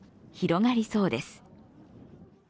広がりそうです。